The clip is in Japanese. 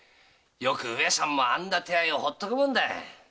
よく上様もあんな手合いをほうっておくもんだ。